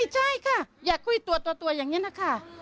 ใช่ค่ะอยากคุยตัวอย่างนี้นะคะ